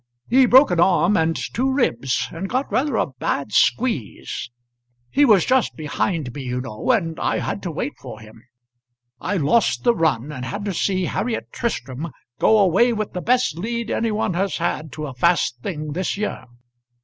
He broke an arm and two ribs, and got rather a bad squeeze. He was just behind me, you know, and I had to wait for him. I lost the run, and had to see Harriet Tristram go away with the best lead any one has had to a fast thing this year.